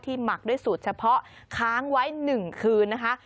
หมักด้วยสูตรเฉพาะค้างไว้๑คืนนะคะ